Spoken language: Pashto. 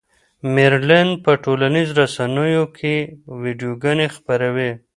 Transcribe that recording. مېرلن په ټولنیزو رسنیو کې ویډیوګانې خپروي.